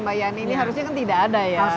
mbak yani ini harusnya kan tidak ada ya